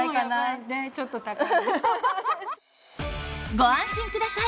ご安心ください！